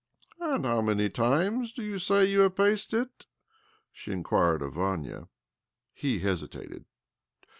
" And how many times do you say you I have paced it?" she inquired of Vania. ! 'He hesitated.